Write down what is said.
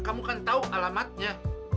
kamu kan tahu alamatnya